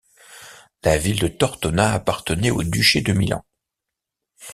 La ville de Tortona appartenait au duché de Milan.